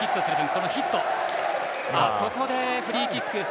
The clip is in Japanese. ここで、フリーキック。